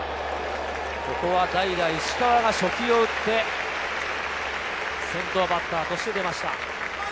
ここは代打、石川が初球を打って、先頭バッターとして出ました。